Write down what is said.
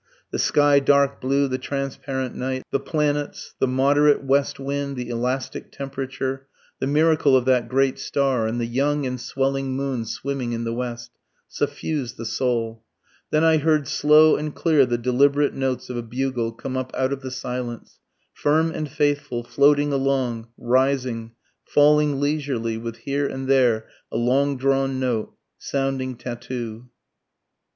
The sky dark blue, the transparent night, the planets, the moderate west wind, the elastic temperature, the miracle of that great star, and the young and swelling moon swimming in the west, suffused the soul. Then I heard slow and clear the deliberate notes of a bugle come up out of the silence ... firm and faithful, floating along, rising, falling leisurely, with here and there a long drawn note.... sounding tattoo.